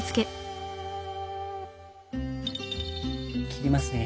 切りますね。